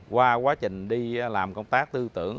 qua quá trình đi làm công tác tư tưởng